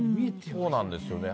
そうなんですよね。